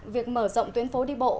việc mở rộng tuyến phố đi bộ